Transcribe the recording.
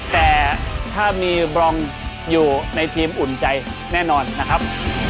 แต่ถ้ามีบรองอยู่ในทีมอุ่นใจแน่นอนนะครับ